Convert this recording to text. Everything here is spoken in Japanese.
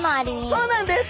そうなんです。